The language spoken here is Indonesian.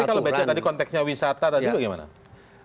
tapi kalau becak tadi konteksnya wisata tadi itu bagaimana